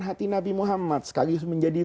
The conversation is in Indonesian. hati nabi muhammad sekaligus menjadi